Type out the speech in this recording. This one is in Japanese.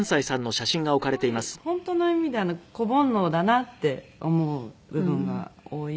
すごい本当の意味で子煩悩だなって思う部分が多い。